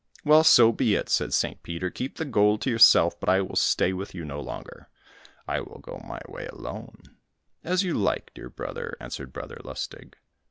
"Well, so be it," said St. Peter, "keep the gold to yourself, but I will stay with you no longer; I will go my way alone." "As you like, dear brother," answered Brother Lustig.